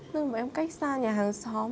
nên bọn em cách xa nhà hàng xóm